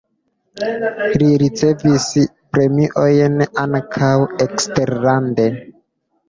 Li ricevis premiojn ankaŭ eksterlande.